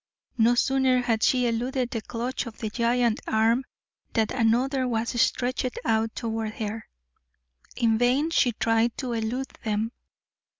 No sooner had she eluded the clutch of one giant arm than another was stretched out toward her. In vain she tried to elude them.